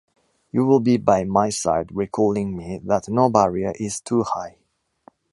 You will be by my side, recalling me that no barrier is too high.